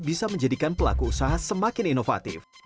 bisa menjadikan pelaku usaha semakin inovatif